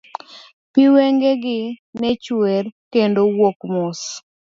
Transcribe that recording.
Pi wenge gi ne chwer, kendo wuok mos.